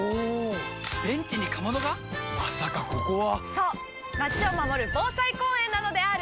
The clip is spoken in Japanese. そうまちを守る防災公園なのであーる！